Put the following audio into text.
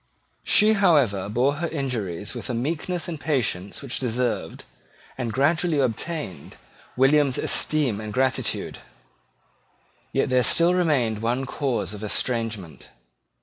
She, however, bore her injuries with a meekness and patience which deserved, and gradually obtained, William's esteem and gratitude. Yet there still remained one cause of estrangement.